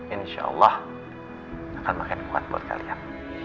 insyaallah akan makin kuat buat kalian